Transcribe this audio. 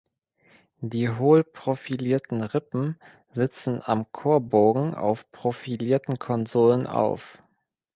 Die hohl profilierten Rippen sitzen am Chorbogen auf profilierten Konsolen auf.